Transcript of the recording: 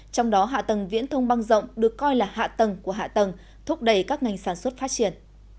trong đó hạ tầng viễn thông băng rộng được coi là hạ tầng của hạ tầng thúc đẩy các ngành sản xuất phát triển